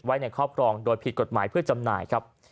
ในครอบครองโดยผิดกฎหมายเพื่อจำหน่ายครับ